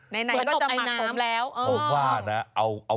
ในไหนล่ะก็จะหมัดผมแล้วมันจะตบอายน้ำ